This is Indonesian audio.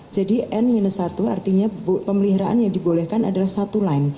jadi n minus satu artinya pemeliharaan yang dibolehkan adalah satu lain